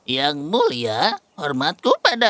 yang mulia hormatku padamu